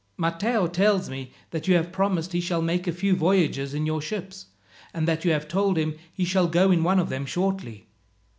Matteo tells me that you have promised he shall make a few voyages in your ships, and that you have told him he shall go in one of them shortly.